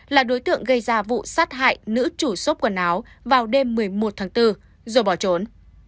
là đối tượng gây ra vụ sát hại nữ chủ sốp quần áo vào đêm một mươi một tháng bốn rồi bỏ trốn